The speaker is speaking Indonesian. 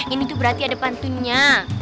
ini tuh berarti ada pantunnya